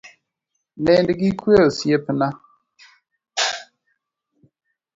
Nind gi kue osiepna